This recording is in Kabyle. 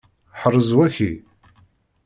Ḥrez waki!